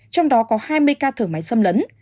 trong đó có hai mươi ca thử máy xâm lấn